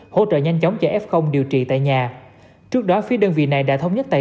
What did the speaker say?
hỗ trợ nhanh chóng cho f điều trị tại nhà trước đó phía đơn vị này đã thống nhất tài